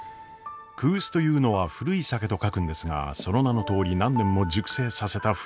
クースというのは古い酒と書くんですがその名のとおり何年も熟成させた古い泡盛のこと。